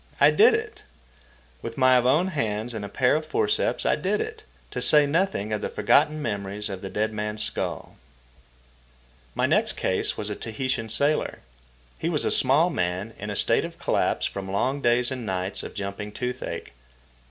I did it! With my own hands and a pair of forceps I did it, to say nothing of the forgotten memories of the dead man's skull. My next case was a Tahitian sailor. He was a small man, in a state of collapse from long days and nights of jumping toothache.